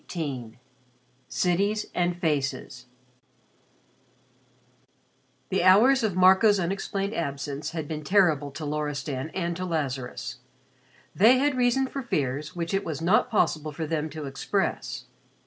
XVIII "CITIES AND FACES" The hours of Marco's unexplained absence had been terrible to Loristan and to Lazarus. They had reason for fears which it was not possible for them to express.